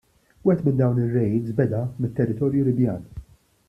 Wieħed minn dawn ir-rejds beda mit-territorju Libjan.